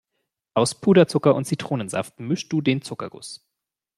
Aus Puderzucker und Zitronensaft mischst du den Zuckerguss.